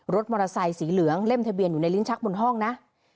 รถมอเตอร์ไซค์สีเหลืองเล่มทะเบียนอยู่ในลิ้นชักบนห้องนะ